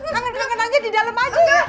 kangen kangen aja di dalam aja ya